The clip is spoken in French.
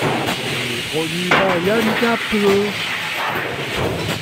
Il est produit par Ian Capple}.